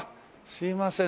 すいません。